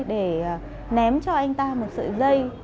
để ném cho anh ta một sợi dây